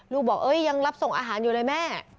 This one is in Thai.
ลูกบอกยังรับส่งอาหารอยู่เลยแม่